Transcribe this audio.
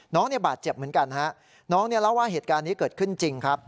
น้องเนี่ยบาดเจ็บเหมือนกันฮะน้องเนี่ยเล่าว่าเหตุการณ์นี้เกิดขึ้นจริงครับ